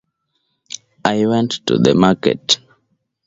His version won a Grammy in the category of Music Arrangement of the Year.